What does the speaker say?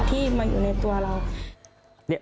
ที่มาอยู่ในตัวเรา